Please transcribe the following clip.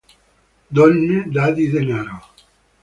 Donne... dadi... denaro!